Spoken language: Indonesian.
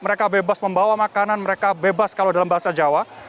mereka bebas membawa makanan mereka bebas kalau dalam bahasa jawa